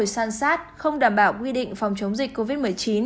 san sát không đảm bảo quy định phòng chống dịch covid một mươi chín